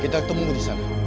kita ketemu di sana